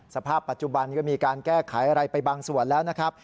สภาพปัจจุบันก็มีการแก้ไขอะไรไปบางส่วนแล้วนะครับ